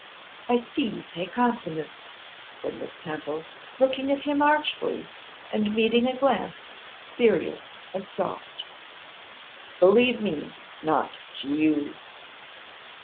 'I see you pay compliments,' said Miss Temple, looking at him archly, and meeting a glance serious and soft. 'Believe me, not to you.